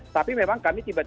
tapi memang kami tiba tiba